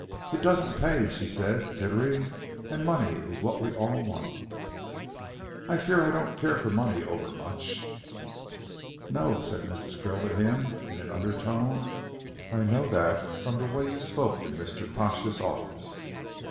"It doesn't pay," she said, tittering, "and money is what we all want." "I fear I don't care for money overmuch." "No," said Mrs. Krill to him in an undertone, "I know that from the way you spoke in Mr. Pash's office."